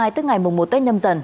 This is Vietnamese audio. tức ngày mùng một tết nhâm dần